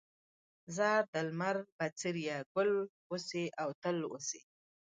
ځار د لمر بڅريه، ګل اوسې او تل اوسې